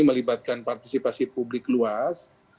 menyebabkan partisipasi publik luas